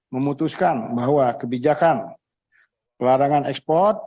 memutuskan bahwa kebijakan pelarangan ekspor